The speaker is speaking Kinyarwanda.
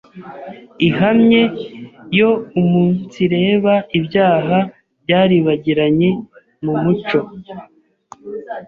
ihamye yo umunsireba ibyaba byaribagiranye mu muco